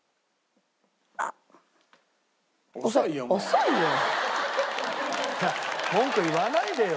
遅いよ。